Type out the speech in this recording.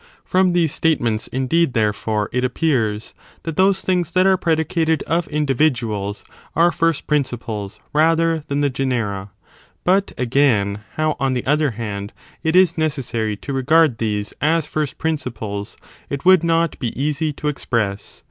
From these statements, indeed, therefore, it ap "pSiB that those things that are predicated of individuals are first principles, rather than the genera. But, again, how, on the other hand, it is necessary to regard these as first prin<«^ ciples, it would not be easy to express.